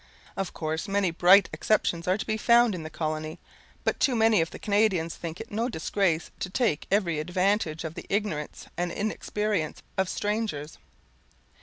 Of course many bright exceptions are to be found in the colony, but too many of the Canadians think it no disgrace to take every advantage of the ignorance and inexperience of strangers.